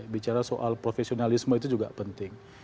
bicara soal profesionalisme itu juga penting